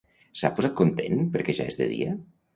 S'ha posat content perquè ja és de dia?